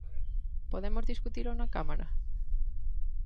¿Podemos discutilo na Cámara?